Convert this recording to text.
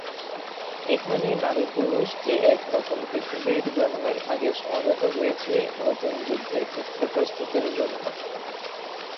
এখানে নারী-পুরুষ যে এক নতুন পৃথিবীর জন্মের আগে সমবেত হয়েছে নতুন যুদ্ধের ক্ষেত্র প্রস্তুতের জন্য।'